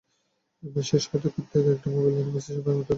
Match শেষ হতেই কোত্থেকে একটা মোবাইল এনে মেসির সঙ্গে মাঠে তুলেছেন সেলফি।